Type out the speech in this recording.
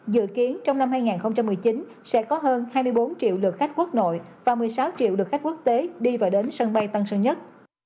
dự kiến trong năm hai nghìn một mươi chín sẽ có hơn hai mươi bốn triệu lượt khách quốc nội và một mươi sáu triệu lượt khách quốc tế đi và đến sân bay tân sơn nhất